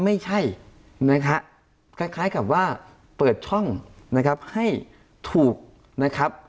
ไม่ใช่นะฮะคล้ายกับว่าเปิดช่องนะครับให้ถูกนะครับ